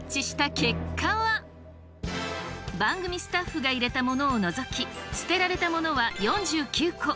番組スタッフが入れたものを除き捨てられたものは４９個。